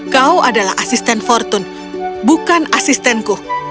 kau adalah asisten fortune bukan asistenku